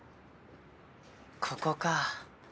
ここか。